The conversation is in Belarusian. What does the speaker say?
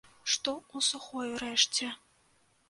Што ў сухой рэшце?